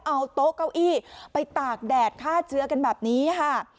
เอาโต๊ะเก้าอี้ไปตากแดดฆ่าเชื้อกันแบบนี้ค่ะ